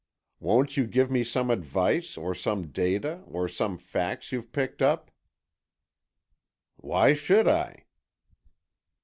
Won't you give me some advice or some data or some facts you've picked up——" "Why should I?"